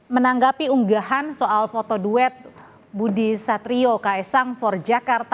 menanggapi unggahan soal foto duet budi satrio kaesang for jakarta dua ribu dua puluh empat